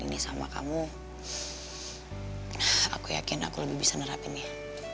dan bicara ini sama kamu aku yakin aku bisa lebih nerapinnya